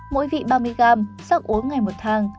mỗi vị ba mươi g sắc uống ngày một thang